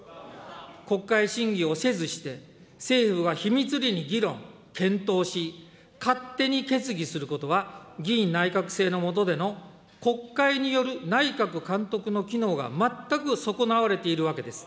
国会審議をせずして、政府は秘密裏に議論、検討し、勝手に決議することは議院内閣制の下での国会による内閣監督の機能が全く損なわれているわけです。